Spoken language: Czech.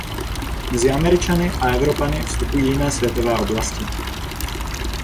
Mezi Američany a Evropany vstupují jiné světové oblasti.